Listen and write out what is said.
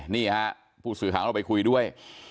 นี่ฮะผู้สื่อข่าวของเราไปคุยด้วย